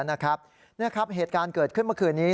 นี่ครับเหตุการณ์เกิดขึ้นเมื่อคืนนี้